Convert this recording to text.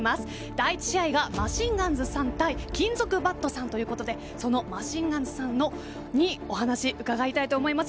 第１試合がマシンガンズさん対金属バットさんということでマシンガンズさんにお話を伺いたいと思います。